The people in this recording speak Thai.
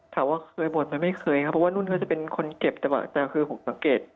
ถามว่าเคยบ่นไหมไม่เคยครับเพราะว่านุ่นเขาจะเป็นคนเก็บจังหวะแต่คือผมสังเกต